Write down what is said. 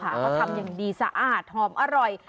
เขาทำอย่างดีสะอาดหอมอร่อย